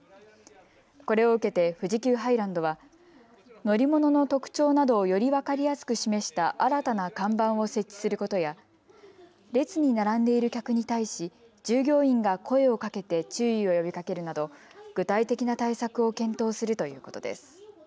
これを受けて富士急ハイランドは乗り物の特徴などをより分かりやすく示した新たな看板を設置することや列に並んでいる客に対し、従業員が声をかけて注意を呼びかけるなど具体的な対策を検討するということです。